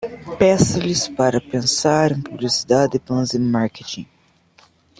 Peça-lhes para pensar em publicidade e planos de marketing